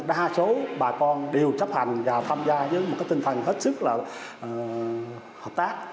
đa số bà con đều chấp hành và tham gia với một tinh thần hết sức là hợp tác